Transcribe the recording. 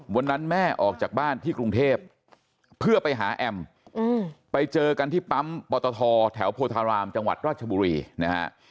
วันนั้นแม่ออกจากบ้านที่กรุงเทพเพื่อไปหาแอมไปเจอกันที่ปั๊มปตทแถวโพธารามจังหวัดราชบุรีนะฮะ